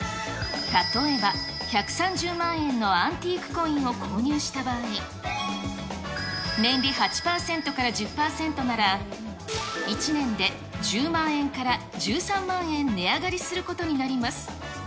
例えば、１３０万円のアンティークコインを購入した場合、年利８％から１０％なら、１年で１０万円から１３万円値上がりすることになります。